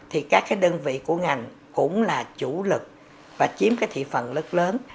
thì các cái đơn vị của ngành cũng là chủ lực và chiếm cái thị phần lớn lớn